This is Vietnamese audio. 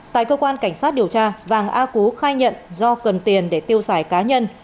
tại cơ quan cảnh sát điều tra vàng a cú khai nhận do cần tiền để tiêu xài cá nhân